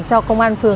cho công an phường